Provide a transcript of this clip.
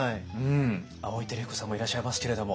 あおい輝彦さんもいらっしゃいますけれども。